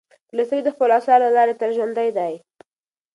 تولستوی د خپلو اثارو له لارې تل ژوندی دی.